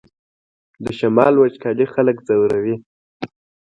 د شمال وچکالي خلک ځوروي